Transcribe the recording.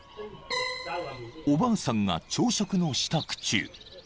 ［おばあさんが朝食の支度中］